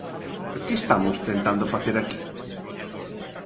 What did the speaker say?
Que estamos tentando facer aquí?